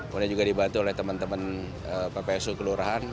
kemudian juga dibantu oleh teman teman ppsu kelurahan